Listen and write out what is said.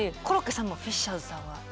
コロッケさんもフィッシャーズさんは？